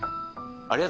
ありがとう。